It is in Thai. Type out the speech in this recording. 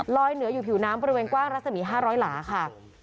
เหนืออยู่ผิวน้ำบริเวณกว้างรัศมี๕๐๐หลาค่ะ